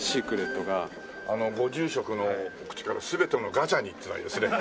ご住職の口から「全てのガチャに」っていうのがいいですね。